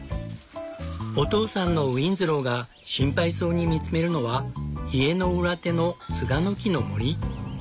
お父さんのウィンズローが心配そうに見つめるのは家の裏手のツガの木の森。